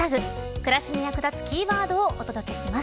暮らしに役立つキーワードをお届けします。